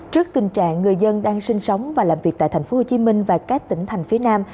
trước tình trạng người dân đang sinh sống và làm việc tại tp hcm và các tỉnh thành phía nam